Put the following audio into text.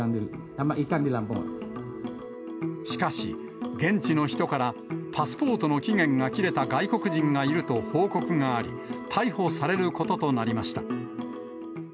しかし、現地の人から、パスポートの期限が切れた外国人がいると報告があり、逮捕されることとなりました。